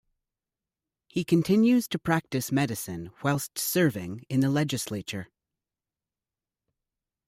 He continues to practice medicine whilst serving in the legislature.